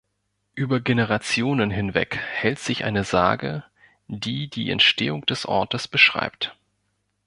Über Generationen hinweg hält sich eine Sage, die die Entstehung des Ortes beschreibt.